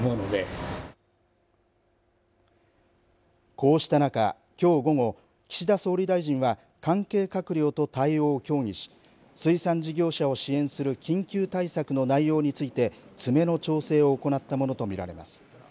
こうした中きょう午後岸田総理大臣は関係閣僚と対応を協議し水産事業者を支援する緊急対策の内容について詰めの調整を行ったものと見られます。